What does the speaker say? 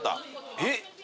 えっ？